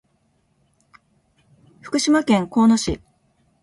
福島県広野町